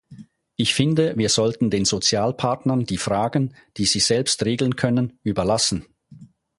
Ich finde, wir sollten den Sozialpartnern die Fragen, die sie selbst regeln können, überlassen.